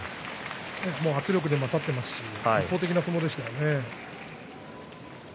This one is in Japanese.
もう圧力で勝っていますし一方的な相撲でしたね。